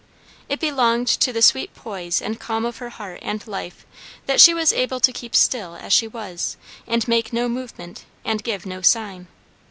It belonged to the sweet poise and calm of her heart and life that she was able to keep still as she was and make no movement and give no sign.